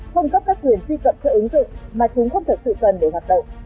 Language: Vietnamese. không cấp các quyền truy cập cho ứng dụng mà chúng không thể sự cần để hoạt động